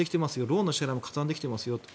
ローンの支払いもかさんできてますよと。